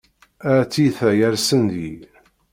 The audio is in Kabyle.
A tiyita yersen deg-i!